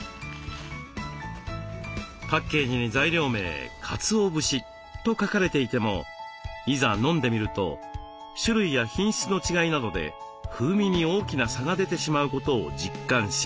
パッケージに材料名「かつお節」と書かれていてもいざ飲んでみると種類や品質の違いなどで風味に大きな差が出てしまうことを実感します。